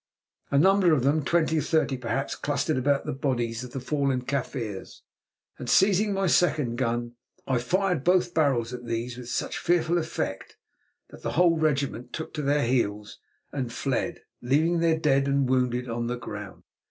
A number of them, twenty or thirty perhaps, clustered about the bodies of the fallen Kaffirs, and, seizing my second gun, I fired both barrels at these with such fearful effect that the whole regiment took to their heels and fled, leaving their dead and wounded on the ground.